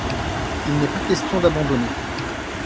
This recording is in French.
Il n’est pas question d’abandonner.